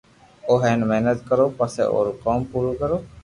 او ھون ح محنت ڪرو پسو آئرو ڪوم پورو ڪرو